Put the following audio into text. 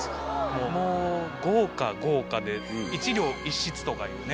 もう豪華豪華で１両１室とかいうね。